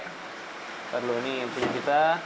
kita dulu ini yang punya kita